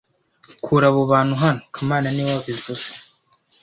Kura abo bantu hano kamana niwe wabivuze